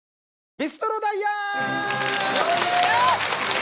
ビストロダイアン！